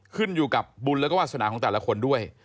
ขึ้นอยู่กับบุญแล้วก็วาสนาของแต่ละคนด้วย